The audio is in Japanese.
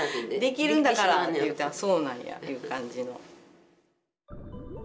できるんだからって言ったらそうなんやっていう感じの。